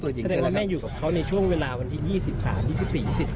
แม่อยู่กับเขาในช่วงเวลาวันที่๒๓๒๕ใช่ไหมครับ